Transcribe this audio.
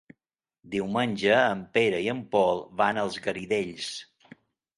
Diumenge en Pere i en Pol van als Garidells.